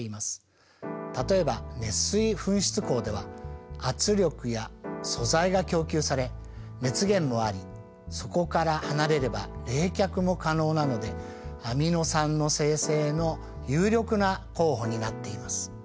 例えば熱水噴出孔では圧力や素材が供給され熱源もありそこから離れれば冷却も可能なのでアミノ酸の生成の有力な候補になっています。